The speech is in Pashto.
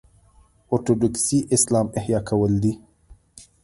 اورتوډوکسي اسلام احیا کول دي.